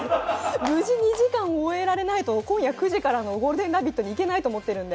無事２時間終えられないと今夜９時からの「ゴールデンラヴィット！」にいけないと思ってるんで。